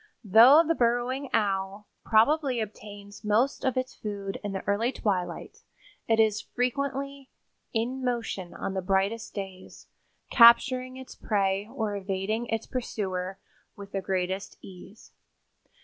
Though the Burrowing Owl probably obtains most of its food in the early twilight, it is frequently "in motion on the brightest days, capturing its prey or evading its pursuer with the greatest ease."